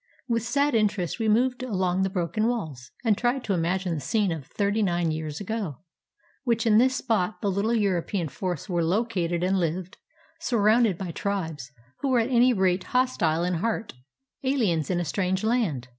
With sad interest we moved along the broken walls, and tried to imagine the scene of thirty nine years ago, when in this spot the little European force were located and lived, surrounded by tribes who were at any rate hostile in heart, aliens in a strange land.